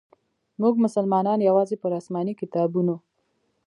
موږ مسلمانانو یوازي پر اسماني کتابونو.